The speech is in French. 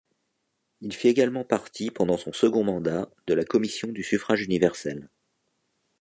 Il fit également partie, pendant son second mandat, de la commission du suffrage universel.